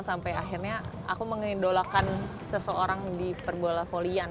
sampai akhirnya aku mengindolakan seseorang di perbola volley an